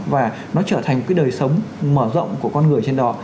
và nó trở thành một cái đời sống mở rộng của con người trên đó